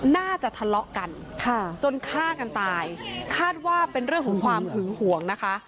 น่าจะทะเลาะกันค่ะจนฆ่ากันตายคาดว่าเป็นเรื่องของความหึงหวงนะคะ